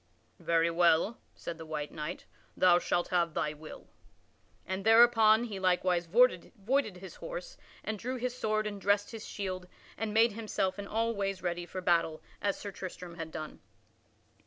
"Very well," said the white knight, "thou shalt have thy will." And thereupon he likewise voided his horse and drew his sword and dressed his shield and made himself in all ways ready for battle as Sir Tristram had done.